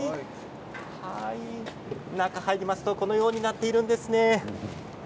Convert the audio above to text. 中に入りますとこのようになっているんですね。